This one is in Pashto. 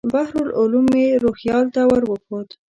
بحر العلوم مې روهیال ته ور وښود.